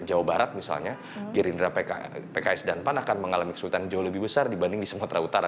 jawa barat misalnya gerindra pks dan pan akan mengalami kesulitan jauh lebih besar dibanding di sumatera utara